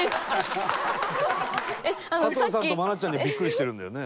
加藤さんと愛菜ちゃんにビックリしてるんだよね。